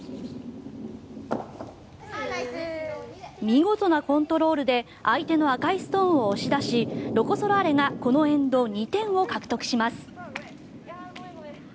見事なコントロールで相手の赤いストーンを押し出しロコ・ソラーレがこのエンド、２点を獲得します。